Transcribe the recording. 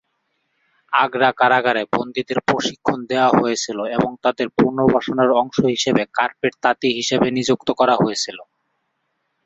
আগ্রা কারাগারে বন্দিদের প্রশিক্ষণ দেওয়া হয়েছিল এবং তাদের পুনর্বাসনের অংশ হিসাবে কার্পেট তাঁতি হিসাবে নিযুক্ত করা হয়েছিল।